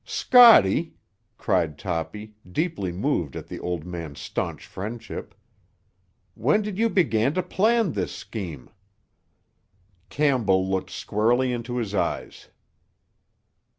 "Scotty," cried Toppy, deeply moved at the old man's staunch friendship, "when did you begin to plan this scheme?" Campbell looked squarely into his eyes.